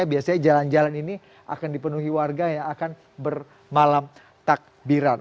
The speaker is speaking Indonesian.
biasanya jalan jalan ini akan dipenuhi warga yang akan bermalam takbiran